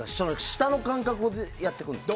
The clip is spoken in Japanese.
舌の感覚でやっていきますか？